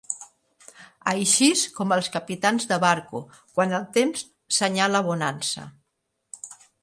Aixís com els capitans de barco, quan el temps senyala bonança